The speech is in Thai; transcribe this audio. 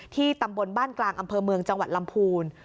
ตำบลบ้านกลางอำเภอเมืองจังหวัดลำพูน